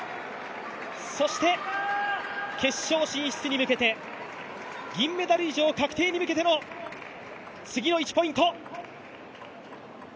そして決勝進出に向けて銀メダル以上確定に向けての次の１ポイント。